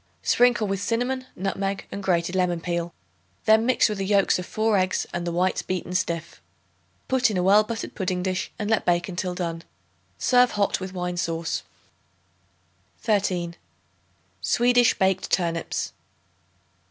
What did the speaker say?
Sprinkle with cinnamon, nutmeg and grated lemon peel; then mix with the yolks of 4 eggs and the whites beaten stiff. Put in a well buttered pudding dish, and let bake until done. Serve hot with wine sauce. 13. Swedish Baked Turnips.